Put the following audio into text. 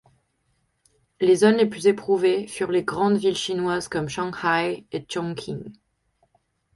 Les zones les plus éprouvées furent les grandes villes chinoises comme Shanghai et Chongqing.